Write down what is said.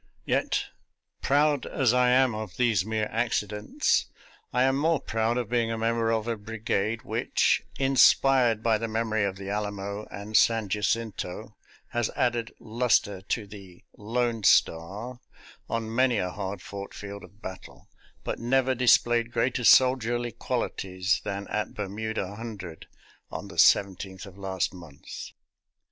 Yet, proud as I am of these mere accidents, I am more proud of being a member of a brigade which, inspired by the memory of the Alamo and San Jacinto, has added luster to the " lone star " on many a hard fought field of battle, but never displayed greater soldierly qualities than at Bermuda Hundred on the 17th of last month.